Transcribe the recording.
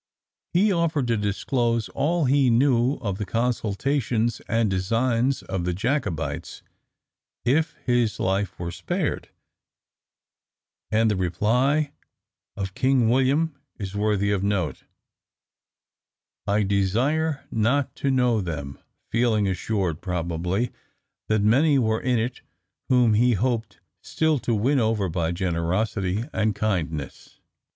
He offered to disclose all he knew of the consultations and designs of the Jacobites, if his life were spared, and the reply of King William is worthy of note: "I desire not to know them," feeling assured probably, that many were in it whom he hoped still to win over by generosity and kindness.